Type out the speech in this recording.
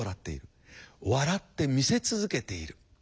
笑ってみせ続けている。